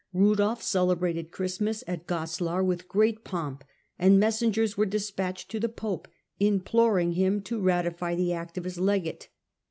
Rudolf celebrated Christmas at Goslar with great pomp, and messengers were de spatched to the pope imploring him to ratify the act of his legate.